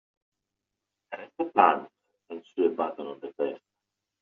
Press the pants and sew a button on the vest.